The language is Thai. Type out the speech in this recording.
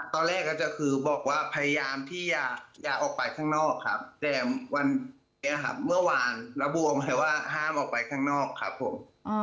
ตอนแรกก็จะคือบอกว่าพยายามที่อย่าออกไปข้างนอกครับแต่วันนี้ครับเมื่อวานระบวมเลยว่าห้ามออกไปข้างนอกครับผม